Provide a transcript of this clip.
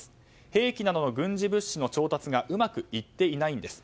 兵器などの軍事物資の調達がうまくいっていないんです。